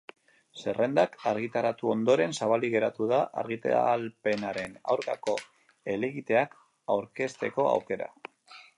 Zerrendak argitaratu ondoren, zabalik geratu da argitalpenaren aurkako helegiteak aurkezteko aukera.